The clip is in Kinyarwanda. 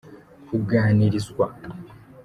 kuganirizwa.